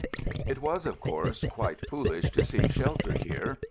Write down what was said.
] It was, of course, quite foolish to seek shelter here.